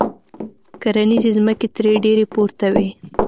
کرنیزې ځمکې ترې ډېرې پورته وې.